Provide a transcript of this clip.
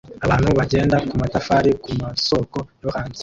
Abantu bagenda kumatafari kumasoko yo hanze